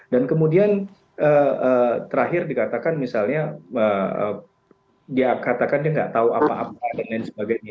dan kemudian terakhir dikatakan misalnya dia katakan dia tidak tahu apa apa dan lain sebagainya